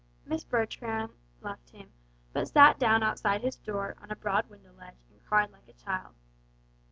Miss Bertram left him, but sat down outside his door on a broad window ledge and cried like a child.